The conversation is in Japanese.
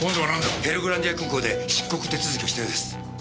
ペルグランディア空港で出国手続きをしたようです。